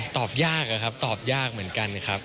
ตอบยากอะครับตอบยากเหมือนกันครับ